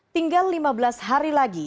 tinggal lima belas hari lagi